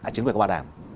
trứng khoán có bảo đảm